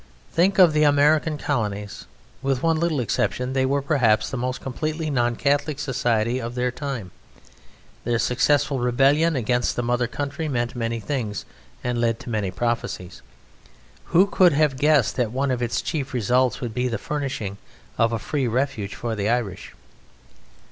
Think of the American Colonies; with one little exception they were perhaps the most completely non Catholic society of their time. Their successful rebellion against the mother country meant many things, and led to many prophecies. Who could have guessed that one of its chief results would be the furnishing of a free refuge for the Irish?